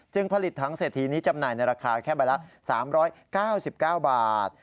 ผลิตถังเศรษฐีนี้จำหน่ายในราคาแค่ใบละ๓๙๙บาท